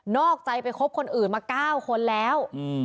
อกใจไปคบคนอื่นมา๙คนแล้ว